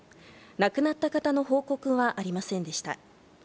亡くなった方の報告はありませんでした。